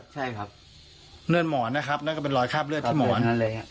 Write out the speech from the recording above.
ใช่ครับเลือดหมอนนะครับนั่นก็เป็นรอยคราบเลือดที่หมอน